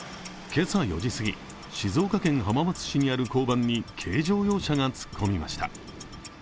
今朝４時過ぎ、静岡県浜松市にある交番に軽乗用車が突っ込みました。